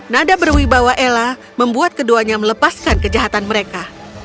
nada berwibawa ella membuat keduanya melepaskan kejahatan mereka